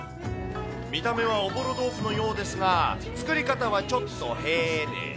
見た目はおぼろ豆腐のようですが、作り方はちょっとへぇで。